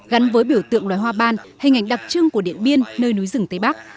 gắn với biểu tượng loài hoa ban hình ảnh đặc trưng của điện biên nơi núi rừng tây bắc